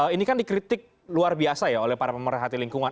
ini kan dikritik luar biasa ya oleh para pemerhati lingkungan